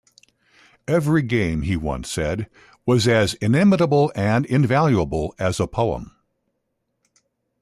Every game, he once said, was as inimitable and invaluable as a poem.